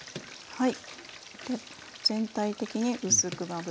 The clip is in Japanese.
はい。